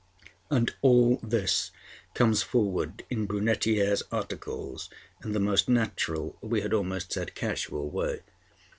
And all this comes forward in Brunetière's articles in the most natural, we had almost said casual way.